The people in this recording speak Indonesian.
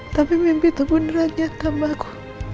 tapi mimpi itu beneran nyat gambar aku